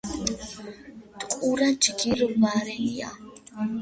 ტყურა ჯგირ ვარენია.